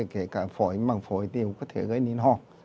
kể cả phổi bằng phổi tiêu có thể gây nên ho